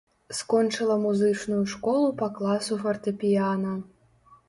Скончыла музычную школу па класу фартэпіяна.